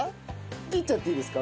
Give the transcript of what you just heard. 切っちゃっていいですか？